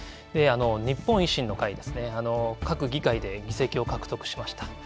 日本維新の会ですね、各議会で議席を獲得しました。